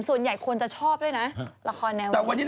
ส่วนใหญ่คนจะชอบด้วยนะ